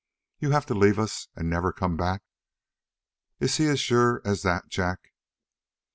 "You have to leave us, and never come back?" "Is he as sure as that, Jack?"